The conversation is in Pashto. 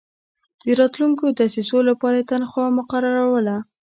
د راتلونکو دسیسو لپاره یې تنخوا مقرروله.